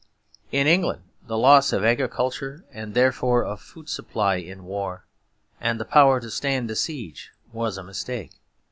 In England the loss of agriculture and therefore of food supply in war, and the power to stand a siege, was a mistake.